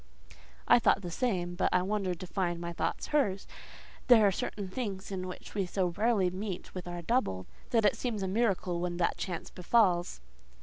I thought the same, but I wondered to find my thoughts hers: there are certain things in which we so rarely meet with our double that it seems a miracle when that chance befalls.